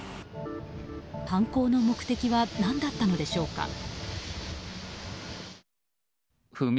犯行の目的は何だったのでしょうか。